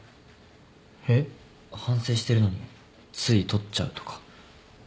えっ？反省してるのについ撮っちゃうとか。